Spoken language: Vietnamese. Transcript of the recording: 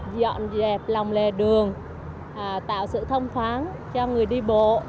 dọn dẹp lòng lề đường tạo sự thông thoáng cho người đi bộ